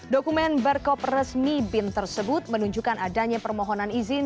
dokumen berkop resmi bin tersebut menunjukkan adanya permohonan izin